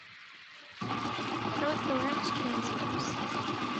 Prothorax transverse.